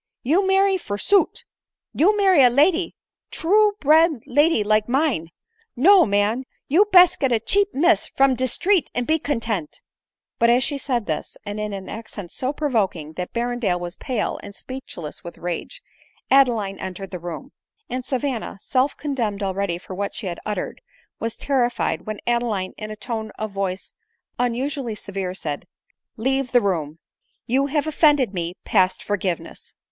You marry, forsoot ! you marry a lady ! true bred lady like mine ! No, man ! You best get a cheap miss from de street and be content " As she said this, and in an accent so* provoking that Berrendale was pale and speechless with rage, Adeline entered the room ; and Savanna, self condemned already for what she had ottered, was terrified when Adeline, in a tone of voice unusally severe, said, " Leave the room ; you have offended me past forgiveness."